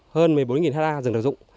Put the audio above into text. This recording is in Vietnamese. hơn một mươi bốn hectare rừng được dụng